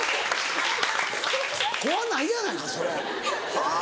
怖ないやないかそれはぁ。